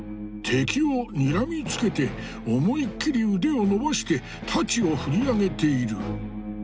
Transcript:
敵をにらみつけて思い切り腕を伸ばして太刀を振り上げている。